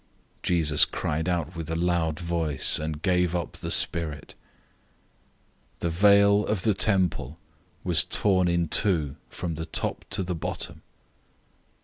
015:037 Jesus cried out with a loud voice, and gave up the spirit. 015:038 The veil of the temple was torn in two from the top to the bottom.